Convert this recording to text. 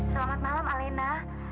selamat malam alena